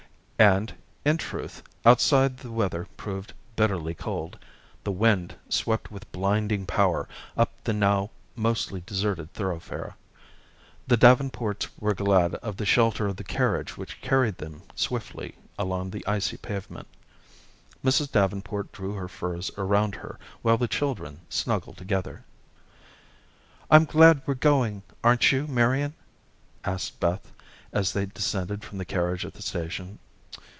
And, in truth, outside the weather proved bitterly cold. The wind swept with blinding power up the now mostly deserted thoroughfare. The Davenports were glad of the shelter of the carriage which carried them swiftly along the icy pavement. Mrs. Davenport drew her furs around her, while the children snuggled together. "I'm glad we're going, aren't you, Marian?" asked Beth, as they descended from the carriage at the station.